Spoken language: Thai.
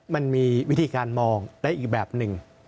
มันมีวิธีการมองได้อีกแบบหนึ่ง